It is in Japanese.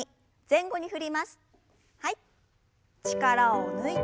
はい。